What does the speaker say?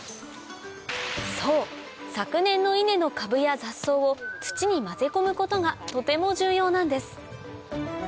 そう昨年の稲の株や雑草を土に混ぜ込むことがとても重要なんです